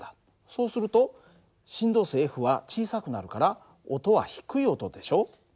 そうすると振動数は小さくなるから音は低い音でしょ。